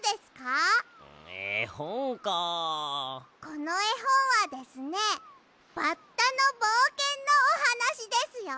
このえほんはですねバッタのぼうけんのおはなしですよ！